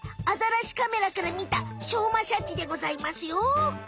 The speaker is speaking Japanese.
アザラシカメラから見たしょうまシャチでございますよ。